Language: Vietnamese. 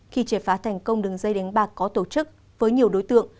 khi triệt phá thành công đường dây đánh bạc có tổ chức với nhiều đối tượng